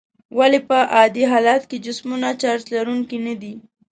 ولې په عادي حالت کې جسمونه چارج لرونکي ندي؟